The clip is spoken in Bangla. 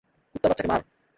কুত্তার বাচ্চাকে মার।